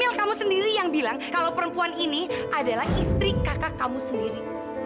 tinggal kamu sendiri yang bilang kalau perempuan ini adalah istri kakak kamu sendiri